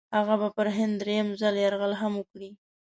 هغه به پر هند درېم ځل یرغل هم وکړي.